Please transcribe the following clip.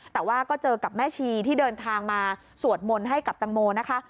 แต่ว่าก็เจอกับแม่ชีที่เดินทางมาสวดมนต์ให้กับตังโมนะคะ